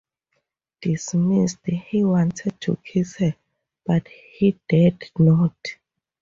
Dismissed, he wanted to kiss her, but he dared not.